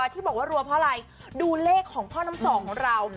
ที่บอกว่ารัวเพราะอะไรดูเลขของพ่อน้ำสองของเรา